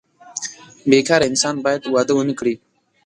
بې کاره انسان باید واده ونه کړي.